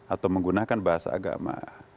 atau menggunakan bahasa agama